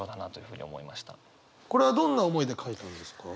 これはどんな思いで書いたんですか？